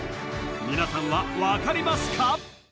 皆さんはわかりますか？